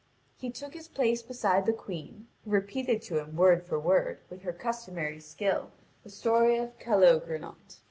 He took his place beside the Queen, who repeated to him word for word, with her customary skill, the story of Calogrenant.